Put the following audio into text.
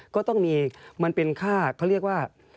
ก็ต้องมีมันเป็นค่าเขาเรียกว่า